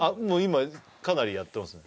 今かなりやってますね